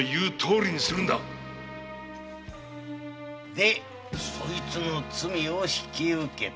でそいつの罪を引き受けた。